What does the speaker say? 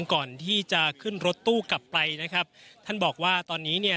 ก่อนที่จะขึ้นรถตู้กลับไปนะครับท่านบอกว่าตอนนี้เนี่ย